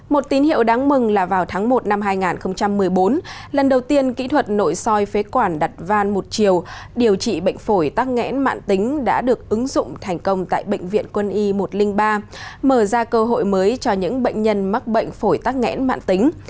một tín hiệu đáng mừng là vào tháng một năm hai nghìn một mươi bốn lần đầu tiên kỹ thuật nội soi phế quản đặt van một chiều điều trị bệnh phổi tắc nghẽn mạng tính đã được ứng dụng thành công tại bệnh viện quân y một trăm linh ba mở ra cơ hội mới cho những bệnh nhân mắc bệnh phổi tắc nghẽn mạng tính